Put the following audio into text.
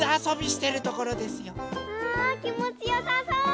うわきもちよさそう！